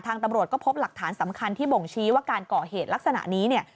ตำรวจก็พบหลักฐานสำคัญที่บ่งชี้ว่าการก่อเหตุลักษณะนี้เนี่ย